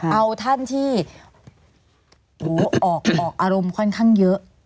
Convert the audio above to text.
เอาท่านที่ออกอารมณ์ค่อนข้างเยอะ